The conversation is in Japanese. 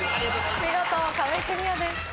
見事壁クリアです。